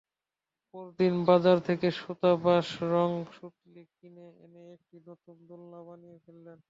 পরদিন বাজার থেকে সুতা-বাঁশ-রং-সুতলি কিনে এনে একটি নতুন দোলনা বানিয়ে ফেললেন।